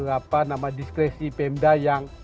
apa nama diskresi pemda yang